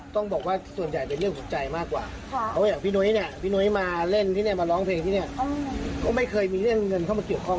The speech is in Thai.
ต้องบอกว่าส่วนใหญ่เป็นเรื่องหัวใจมากกว่าเพราะว่าอย่างพี่นุ้ยเนี่ยพี่นุ้ยมาเล่นที่นี่มาร้องเพลงที่เนี่ยก็ไม่เคยมีเรื่องเงินเข้ามาเกี่ยวข้อง